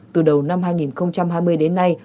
từ đầu năm hai nghìn hai mươi đến nay